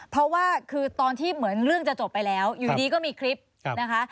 เพราะว่าคือตอนที่เหมือนเรื่องจะจบไปแล้วอยู่ดีก็มีคลิปนะคะ